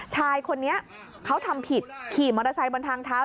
ชายคนนี้เขาทำผิดขี่มอเตอร์ไซค์บนทางเท้า